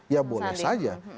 ya boleh saja